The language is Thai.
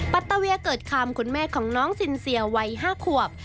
ปัตเวียเกิดคำคุณแม่ของน้องซินเซียวัย๕ขวบ